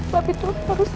tapi itu harus